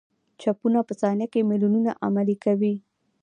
چپونه په ثانیه کې میلیونونه عملیې کوي.